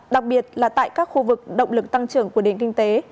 đặc biệt là tại các khu vực động lực tăng trưởng của nền kinh tế